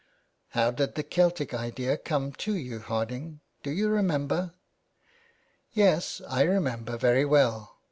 How did the Celtic idea come to you, Harding ? Do you remember ?"" Yes, I remember very well.